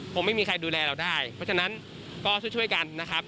คงไม่มีใครดูแลเราได้เพราะฉะนั้นก็ช่วยกันนะครับ